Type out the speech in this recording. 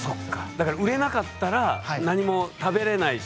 だから売れなかったら何も食べれないし。